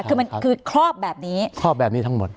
คือมันคือครอบแบบนี้ครอบแบบนี้ทั้งหมด